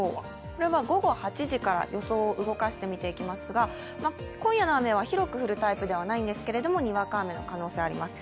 これは午後８時から、予想を動かしてみていきますが、今夜の雨は広く降るタイプではないんですけれども、にわか雨の可能性があります。